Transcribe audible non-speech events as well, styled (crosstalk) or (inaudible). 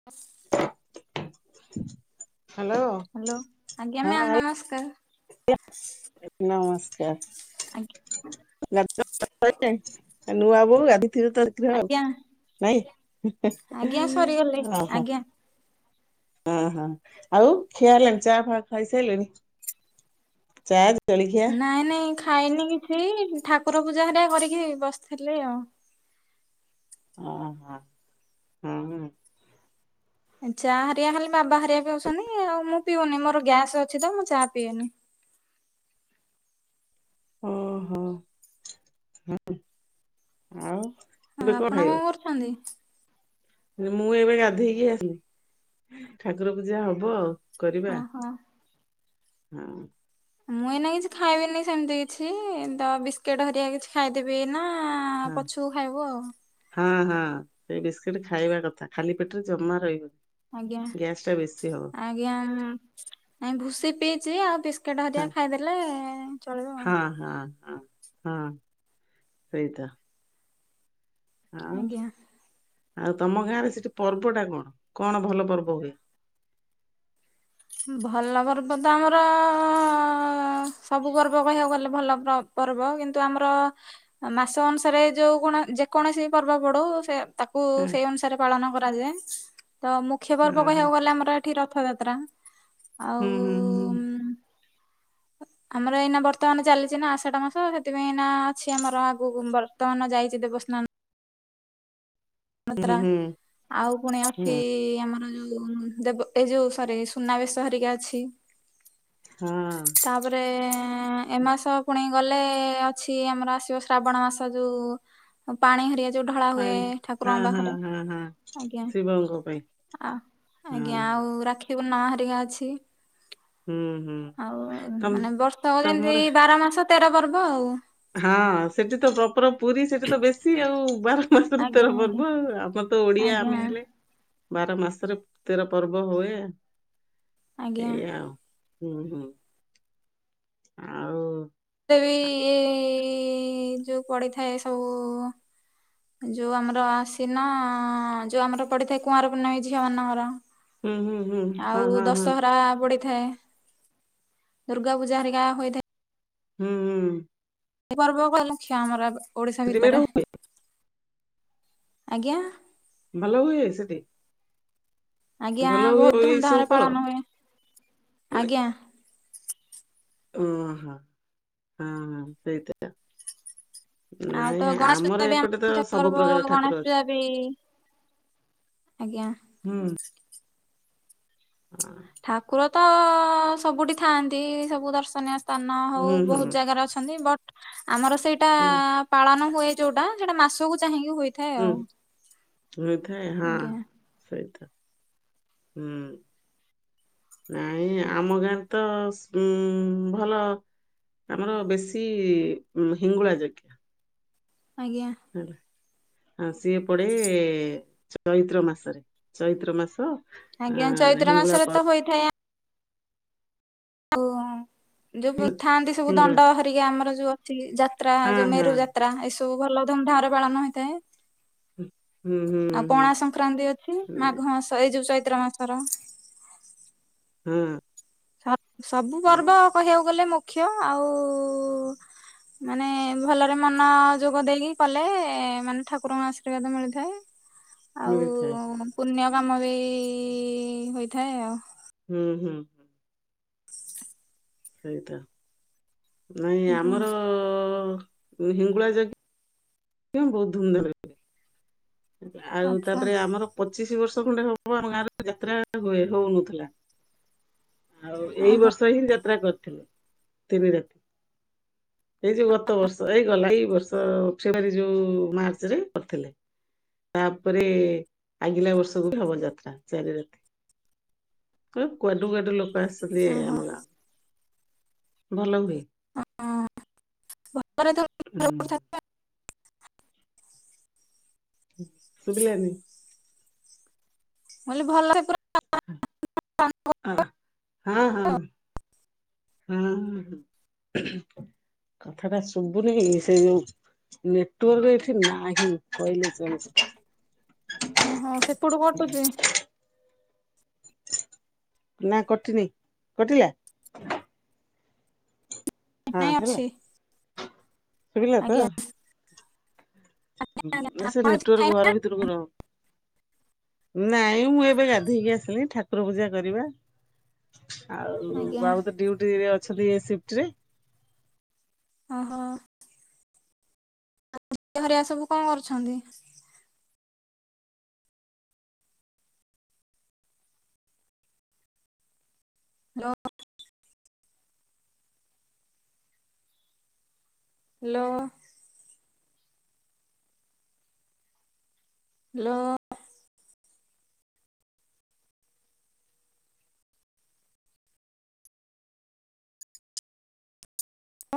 (inaudible) Hello. Hello ଆଜ୍ଞା ma'am ନମସ୍କାର୍। ଆଜ୍ଞା ନମସ୍କାର୍ (unintelligible) ଆ ନୂଆ ବୋଉ ଗାଧେଇ ଥିବ (unintelligible) ଆଜ୍ଞା ଆଉ ଆଜ୍ଞା ସରିଗଲେ ନାଇଁ ଅହ। ଆଜ୍ଞା। ହଁ ହଁ ଆଉ ଖିଆ ହେଲାଣି ଚା ଫା ଖାଇ ସାଇଲେଣି, ଚା ଜଳଖିଆ ନାଇଁ ନାଇଁ ଖାଇନି କିଛି ଠାକୁର ପୂଜା ହୋରିଆ କରିକି ବସିଥିଲି ଆଉ। ଓହୋ। ହଁ। ଏଁ ଚା ହେରିକା ହେଲେ ବାବା ହେରିକା ପିଉଛନ୍ତି ଆଉ ମୁଁ ପିଉନି ମୋର ଗ୍ୟାସ୍ ଅଛି ତ ମୁଁ ଚା ପିଏନି। ଓହୋ ହୁଁ ଆଉ ଆଉ ଏବେ କଣ ଆପଣ କଁ କରୁଛନ୍ତି? ନା ମୁଁ ଏବେ ଗାଧେଇକି ଆସିଲି ଠାକୁର ପୂଜା ହବ ଆଉ। କରିବା ଓହୋ। ହଁ। ମୁଁ ଏଇନା କିଛି ଖାଇବିନି ସେମତି କିଛି ତ ବିସ୍କେଟ୍ ହରିଆ କିଛି ଖାଇଦେବି ଏଇନା ହଁ ପଛୁକୁ ଖାଇବୁ ଆଉ। ହଁ ହଁ ସେଇ ବିସ୍କିଟି ଖାଇବା କଥା ଖାଲି ପେଟେରେ ଜମା ରହିବ ଆଜ୍ଞା ଆଜ୍ଞା ନା ନାଇଁ ଭୁଷି ପିଇଚି ଆଉ ବିସ୍ କେଟ୍ ହଁ ହରିଆ ଖାଇଦେଲେ ଚଳିବ ଆଉ। ହଁ ହଁ ହଁ ହଁ ସେଇଟା। ଆଉ ଆଜ୍ଞା ଆଉ ତମ ଗାଁରେ ସେଠି ପର୍ବଟା କଣ କଣ ଭଲ ପର୍ବ ହୁଏ। ହୁଁ ଭଲ ପର୍ବ ତ ଆମର ଅଁ ସବୁ ପର୍ବ କହିଆକୁ ଗଲେ ଭଲ ପ୍ର ପର୍ବ କିନ୍ତୁ ଆମର ଆ ମାସ ଅନୁସାରେ ଯୋଉ କୋଣ ଯେକୌଣସି ପର୍ବ ପଡୁ ସେ ତାକୁ ହଁ ସେଇ ଅନୁସାରେ ପାଳନ କରାଯାଏ ତ ମୁଖ୍ୟ ପର୍ବ ହଁ ହଁ କହିଆକୁ ଗଲେ ଆମର ଠି ରଥଯାତ୍ରା ଆଉ ହୁଁ ହୁଁ ଉଁ ଆ ଆମର ଏଇନା ବର୍ତ୍ତମାନ ଚାଲିଛି ନା ଆଷାଢ ମାସ ସେଥିପାଇଁ ଏଇନା ଅଛି ଆମର ଆଗୁକୁ (unintelligible) ତମାନ ଯାଇଚି ଦେବସ୍ନା ମାତ୍ରା ହୁଁ ହୁଁ ହୁଁ ଆଉ ଫୁଣି ହୁଁ ଅଛି ଆମର ଯୋଉ ଉଁ ଦେବ ଏ ଯୋଉ ସରି ସୁନାବେେଶ ହେରିକା ଅଛି। ହଁ। ତାପରେ ଏଁ ଏ ମାସ ଫୁଣି ଗଲେ ଅଛି ଆମର ଆସିବ ଶ୍ରାବଣ ମାସ ଯୋଉ ହଁ ପାଣି ହରିଆ ଯୋଉ ଢଳା ହୁଏ ପାଣି ହଁ ଠାକୁରଙ୍କ ହଁ ପାଖରେ ହଁ ହଁ ଆଜ୍ଞା ଶିବଙ୍କ ପାଇଁ ଆ ହଁ ଆଜ୍ଞା ହଁ ଆଉ ଉ ରାକ୍ଷୀ ପୂର୍ଣ୍ଣା ହରିକା ଅଛି। ହୁଁ ହୁଁ ଆଉ ତମ ମାନେ ବର୍ଷକ ଯେନ୍ତି ତମର ବାର ମାସ ତେର ପର୍ବ ଆଉ। ହଁ ସେଠି ତ ପ୍ରପର ପୁରୀ ସେଠି ତ ବେଶୀ ଆଉ ବାର ମାସରେ ଆଜ୍ଞା ତେର ଆଜ୍ଞା। ପର୍ବ ଆଉ ଆମ ତ ଓଡିଆ ଆଜ୍ଞା ଆମେ ହେଲେ ବାର ମାସେରେ ତେର ପର୍ବ ହୁଏ। ଆଜ୍ଞା ଏଇଆ ଆଉ ହୁଁ ହୁଁ ଆଉ ତେ ବି ଏଇ ଯୋଉ ପଡିଥାଏ ସବୁ ଯୋଉ ଆମର ଆଶିନ ଯୋଉ ଆମର ପଡିଥାଏ କୁଆଁର ପୁନେଇଁ ଝିଅମାନଙ୍କର ହୁଁ ହୁଁ ହୁଁ ହଁ ଆଉ ହଁ ହଁ ଦଶହରା ପଡି ଥାଏ ଦୁର୍ଗା ପୂଜା ହେରିକା ହୋଇଥାଏ। ହୁଁ ହୁଁ। ଏଇ ପର୍ବ (unintelligible) ଲକ୍ଷ ଆମର ଓଡିଶା ସେଠି ମେଢ ଭିତେରେ ଆଜ୍ଞା। ଭଲ ହୁଏ ସେଠି। ଆଜ୍ଞା ଭଲ ହୁଏ ବୋହୁତ ଏଇ ସବୁ ଧୁମଧାମରେ ପର୍ବ ପାଳନ ହୁଏ ମାନେ ଆଜ୍ଞା। ଓହୋ ହଁ ହଁ ସେଇ (unintelligible) ଆଉ ତ ନାଇଁ ଗଣେଶ ପୂଜା ଆମର ବି ଆମ ଏପଟେ ତ ମୁଖ୍ୟ ସବୁ ପର୍ବ ପ୍ରକାର ଗଣେଶ ଠାକୁର ଅଛି। ପୂଜା ବି ଆଜ୍ଞା। ହୁଁ। ହଁ। ଠାକୁର ତ ସବୁଠି ଥାଆନ୍ତି ସବୁ ଦର୍ଶନୀୟ ତାନ ହଉ ହୁଁ ହୁଁ ବୋହୁତ ଜାଗାରେ ଅଛନ୍ତି ବଟ୍ ଆମର ସେଇ ହୁଁ ପାଳନ ହୁଏ ଯୋଉଟା ସେଇଟା ମାସକୁ ଚାହିଁକି ହୁଏ। ହୁଁ ହୋଇଥାଏ ହଁ ଆଜ୍ଞା ସେଇଥା ହୁଁ ନାଇଁ ଆମ ଗାଁରେ ତ ଉଁ ଭଲ ଆମର ବେଶୀ ହିଙ୍ଗୁଳା ଜାଗ ଆଜ୍ଞା ହ ଆଁ ସିଏ ପଡେ ଚୈତ୍ର ମାସରେ ଚୈତ୍ର ମାସ ଆଜ୍ଞା ଆଁ ଚୈତ୍ର ହିଙ୍ଗୁଳା ମାସରେ ତ ପର୍ବ ହୋଇଥାଏ ଆଉ ଯୋଉ ଥାଆନ୍ତି ସବୁ ହିଙ୍ଗୁଳା ଦଣ୍ଡ ହରିକା ଆମର ଯୋଉ ଅଛି ଯାତ୍ରା ହଁ ଯୋଉ ହଁ। ମେରୁ ଯାତ୍ରା ଏ ସ ତୁ ଭଲ ଧୁମଧାମରେ ପାଳନ ହୋଇଇଥାଏ। ହୁଁ ହୁଁ ହୁଁ ଆଉ ପଣା ସଂକ୍ରାନ୍ତି ଅଛି ହୁଁ, ମାଘ ମାସ ଏଇ ଯୋଉ ଚୈତ୍ର ମାସର। ହୁଁ ସବୁ ପର୍ବ କହିବାକୁ ଗଲେ ମୁଖ୍ୟ ଆଉ ମାନେ ଭଲରେ ମନ ଯୋଗ ଦେଇକି କଲେ ମାନେ ଠାକୁରଙ୍କ ଆଶୀର୍ବାଦ ମିଳିଥାଏ। ଆଉ ମିଳେ ପୁଣ୍ୟ କାମ ବି ହୋଇଥାଏ ଆଉ ହୁଁ ହୁଁ ହେଇଥାଏ ନାଇଁ ଆଜ୍ଞା ଆମର ହିଙ୍ଗୁଳା ଯାଗ ଜ୍ଞ ବହୁତ ଧୁମ ଧାମ ଆଉ ଆଚ୍ଛା ତାପରେ ଆମର ପଚିଶି ବର୍ଷ ଖଣ୍ଡେ ହବ ଆମ ଗାଁରେ ଯାତ୍ରା ହୁଏ ହଉନଥିଲା। ଆଉ ଏଇ ଓହୋ ବର୍ଷ ହିଁ ଯାତ୍ରା କରିଥିଲେ ତିନି ରାତି। ଏଇ ଯୋଉ ଗତ ବର୍ଷ ଏଇ ଗଲା ଏଇ ବର୍ଷ ଫେବୃଆରୀ ଯୋଉ ମାର୍ଚ୍ଚରେ କରିଥିଲେ। ତାପରେ ଆଗିଲା ବର୍ଷ ଗ ହବ ଯାତ୍ରା ଚାରି ରାତି କୁଆଡୁ କୁଆଡୁ ଲୋକ ଆସିଛନ୍ତି ଏ ଓହୋ ଆମ ଗାଁ ଭଲ ହୁଏ ହୁଁ ହଁ (unintelligible) ଶୁଭିଲାନି। ମୁ ଭଲ ସେ ପୁର ଅ ହଁ ହଁ ହଁ କଥାଟା ଶୁଭୁନି ସେ ଯୋଉ ନେଟୱାର୍କରେ ଏଠି ନାହିଁ କହିଲେ ଜଣ ଓହୋ ସେପଟୁ କଟୁଛି ନା କଟିିନି କଟିଲା ହଁ ନାଇଁ ଅଛି ହେଲା ଶୁଭିଲା ତ ଆଜ୍ଞା ଆଜ୍ଞା ନା ସେ ଆପଣ କିଛି ନେଟୱାର୍କ ଘହାର ଖାଇନାହାନ୍ତି ଭିତର ର ନାଇଁ ମୁଁ ଏବେ ଗାଧେଇକି ଆସିଲି ଠାକୁର ପୂଜା କରିବା। ଆଉ ଆଜ୍ଞା ବାବୁ ତ ଡଉଟି ରେ ଅଛନ୍ତି ସି୍ଫ୍ଟରେ ଅହ ଉ ହରିଆ ସବୁ କଣ କରୁଛନ୍ତି? ଲ ହ୍ୟାଲୋ। ହ୍ୟାଲୋ।